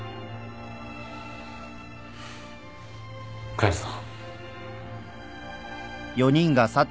帰るぞ。